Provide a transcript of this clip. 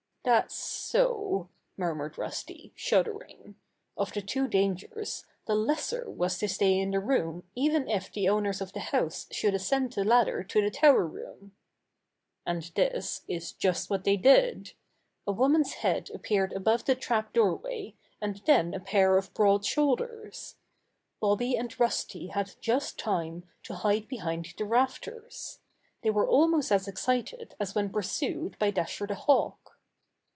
"That's so," murmured Rusty, shuddering. Of the two dangers, the lesser was to stay in the room even if the owners of the house should ascend the ladder to the tower room. And this is just what they did. A woman's head appeared above the trap doorway and then a pair of broad shoulders. Bobby and Rusty had just time to hide behind the rafters. They were almost as excited as when pursued by Dasher the Hawk.